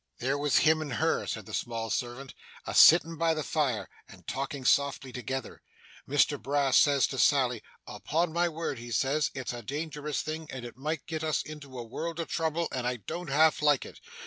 'There was him and her,' said the small servant, 'a sittin' by the fire, and talking softly together. Mr Brass says to Miss Sally, "Upon my word," he says "it's a dangerous thing, and it might get us into a world of trouble, and I don't half like it."